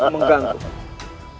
aku sudah mengganggu